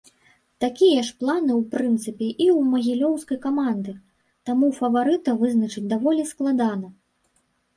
Такія ж планы ў прынцыпе і ў магілёўскай каманды, таму фаварыта вызначыць даволі складана.